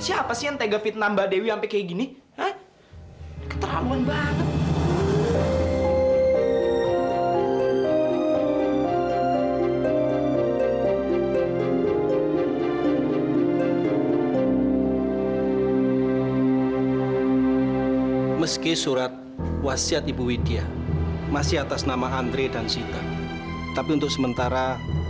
sampai jumpa di video selanjutnya